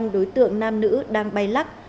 đối tượng nam nữ đang bay lắc